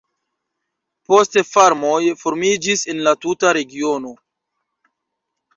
Poste farmoj formiĝis en la tuta regiono.